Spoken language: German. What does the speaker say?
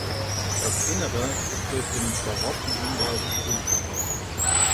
Das Innere ist durch den barocken Umbau bestimmt.